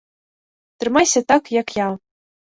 Трымайся так, як я!